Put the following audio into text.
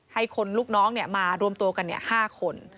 ให้คนลูกน้องมารวมตัวกัน๕คน